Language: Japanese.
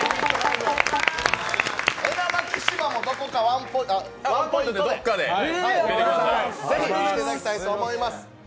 エナマキシマもどこかワンポイントでぜひ出ていただきたいと思います。